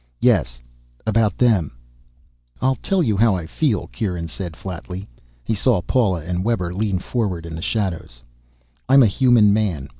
"Yes. About them." "I'll tell you how I feel," Kieran said flatly. He saw Paula and Webber lean forward in the shadows. "I'm a human man.